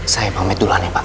saya pamit duluan ya pak